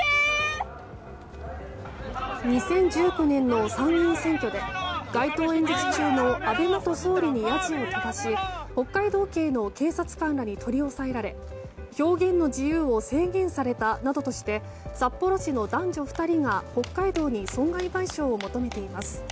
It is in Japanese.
２０１９年の参議院選挙で街頭演説中の安倍元総理にやじを飛ばし北海道警の警察官らに取り押さえられ表現の自由を制限されたなどとして札幌市の男女２人が北海道に損害賠償を求めています。